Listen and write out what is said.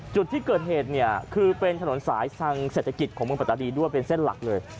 จุดที่เกิดเหตุเนี่ยคือเป็นถนนสายทางเศรษฐกิจของเมืองปัตตานีด้วยเป็นเส้นหลักเลย